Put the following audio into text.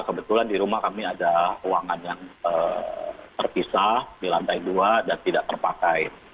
kebetulan di rumah kami ada ruangan yang terpisah di lantai dua dan tidak terpakai